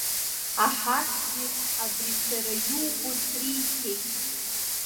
Аҳасгьы абри сара иубо сриҭеит.